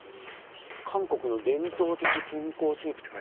「韓国の伝統的健康スープ」って。